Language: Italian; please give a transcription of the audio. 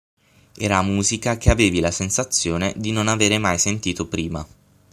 Era musica che avevi la sensazione di non avere mai sentito prima.